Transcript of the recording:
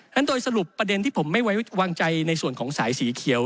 นั้นโดยสรุปประเด็นที่ผมไม่ไว้วางใจในส่วนของสายสีเขียว